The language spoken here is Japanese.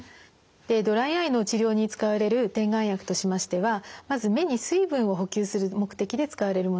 ドライアイの治療に使われる点眼薬としましてはまず目に水分を補給する目的で使われるものがあります。